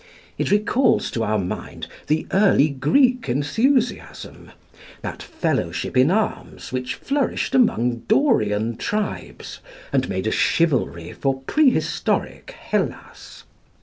It recalls to our mind the early Greek enthusiasm that fellowship in arms which flourished among Dorian tribes, and made a chivalry for prehistoric Hellas.